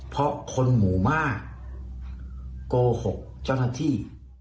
เพราะคนหมู่มากโกหกเจ้าหน้าที่